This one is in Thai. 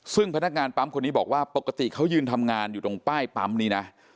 ซึ่งพนักงานปั๊มคนนี้บอกว่าปกติเขายืนทำงานอยู่ตรงป้ายปั๊มนี้นะ